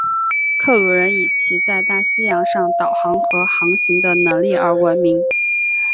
克鲁人以其在大西洋上导向和航行的能力而闻名。